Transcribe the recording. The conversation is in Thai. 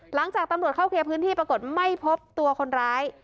หลังจากตำรวจเข้าเคลียร์พื้นที่ปรากฏไม่พบตัวคนร้าย